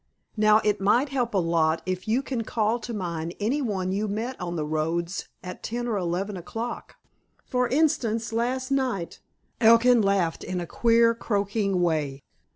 "Now, it might help a lot if you can call to mind anyone you met on the roads at ten or eleven o'clock. For instance, last night—" Elkin laughed in a queer, croaking way.